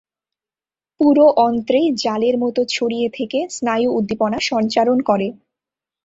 পুরো অন্ত্রে জালের মতো ছড়িয়ে থেকে স্নায়ু উদ্দীপনা সঞ্চারণ করে।